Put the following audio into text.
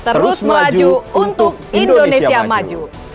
terus melaju untuk indonesia maju